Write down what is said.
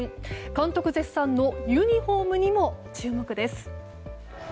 監督絶賛のユニホームにも注目です。